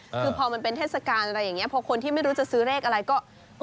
คือพอมันเป็นเทศกาลอะไรอย่างนี้พอคนที่ไม่รู้จะซื้อเลขอะไรก็